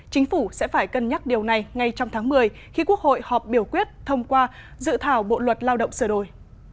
chính phủ sẽ phải cân nhắc điều này ngay trong tháng một mươi khi quốc hội họp biểu quyết thông qua dự thảo bộ luật lao động sửa đổi